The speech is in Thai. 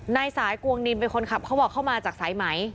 นายสายกวงนินเป็นคนขับเขาบอกเข้ามาจากสายไหม